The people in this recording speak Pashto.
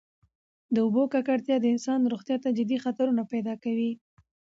د اوبو ککړتیا د انسان روغتیا ته جدي خطرونه پیدا کوي.